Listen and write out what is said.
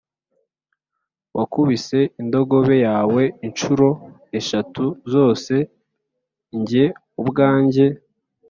Wakubise indogobe yawe incuro eshatu zose jye ubwanjye